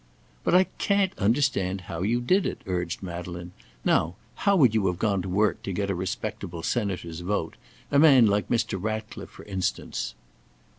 "But I can't understand how you did it," urged Madeleine; "now, how would you have gone to work to get a respectable senator's vote a man like Mr. Ratcliffe, for instance?"